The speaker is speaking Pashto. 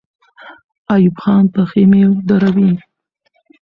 ایوب خان به خېمې دروي.